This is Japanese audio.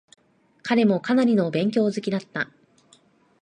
彼もかなりの勉強好きだった。